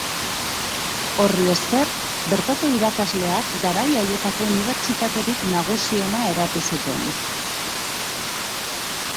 Horri esker, bertoko irakasleak garai haietako unibertsitaterik nagusiena eratu zuten.